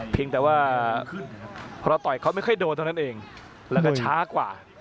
เพียงแต่ว่าพอต่อยเขาไม่ค่อยโดนเท่านั้นเองแล้วก็ช้ากว่า